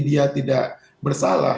dia tidak bersalah